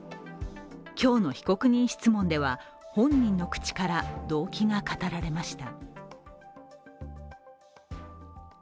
今日の被告人質問では本人の口から動機が語られました。